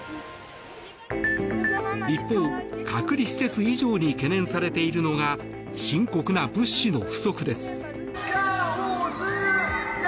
一方、隔離施設以上に懸念されているのが深刻な物資の不足です。